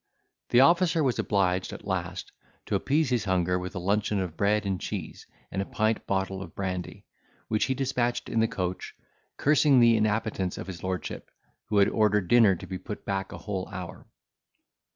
The officer was obliged, at last, to appease his hunger with a luncheon of bread and cheese, and a pint bottle of brandy, which he dispatched in the coach, cursing the inappetence of his lordship, who had ordered dinner to be put back a whole hour.